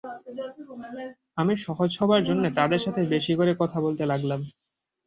আমি সহজ হবার জন্যে তাদের সাথে বেশি করে কথা বলতে লাগলাম।